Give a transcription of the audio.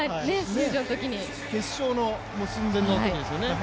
決勝寸前のときですよね。